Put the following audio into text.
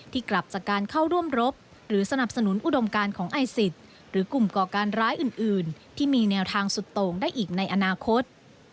กลับจากการเข้าร่วมรบหรือสนับสนุนอุดมการของไอซิสหรือกลุ่มก่อการร้ายอื่นที่มีแนวทางสุดโต่งได้อีกในอนาคต